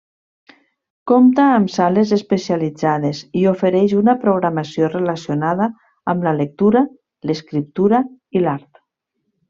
Compta amb sales especialitzades i ofereix una programació relacionada amb la lectura, l'escriptura i l'art.